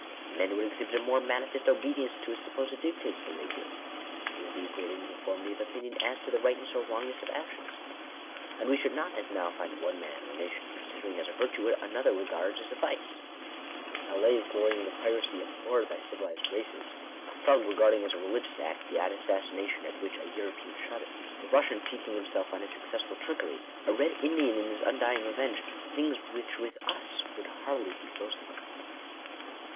Men would exhibit a more manifest obedience to its supposed dic tates than they do. There would be a greater uniformity of opinion as to the tightness or wrongness of actions. And we should not, as now, find one man, or nation, considering as a virtue, what another regards as a vice — Malays glorying in the piracy abhorred by civilized races — a Thug regarding as a religious act, that assassination at which a European shudders — a Russian piquing himself on his successful trickery — a red Indian in his undying revenge — things which with us would hardly be boasted of.